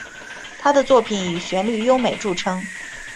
他的作品以旋律优美着称。